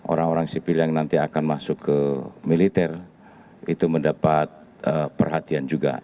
orang orang sipil yang nanti akan masuk ke militer itu mendapat perhatian juga